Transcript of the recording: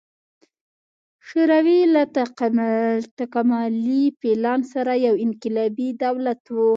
شوروي له تکاملي پلان سره یو انقلابي دولت و.